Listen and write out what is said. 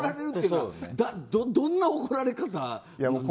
どんな怒られ方。